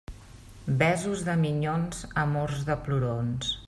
Besos de minyons, amors de plorons.